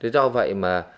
do vậy mà